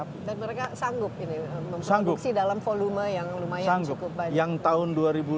dan mereka sanggup memproduksi dalam volume yang lumayan cukup banyak